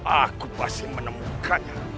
aku pasti menemukannya